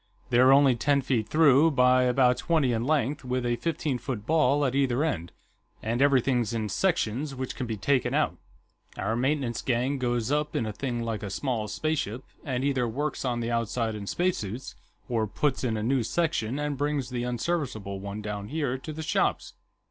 They're only ten feet through, by about twenty in length, with a fifteen foot ball at either end, and everything's in sections, which can be taken out. Our maintenance gang goes up in a thing like a small spaceship, and either works on the outside in spacesuits, or puts in a new section and brings the unserviceable one down here to the shops."